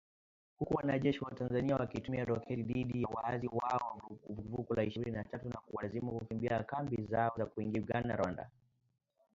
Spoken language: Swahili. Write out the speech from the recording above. Huku wanajeshi wa Tanzania wakitumia roketi dhidi ya waasi hao wa Vuguvugu la Ishirini na tatu na kuwalazimu kukimbia kambi zao na kuingia Uganda na Rwanda